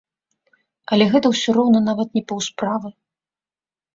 Але гэта ўсё роўна нават не паўсправы.